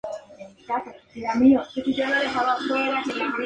La administración de la escuela se opuso a Escalante frecuentemente.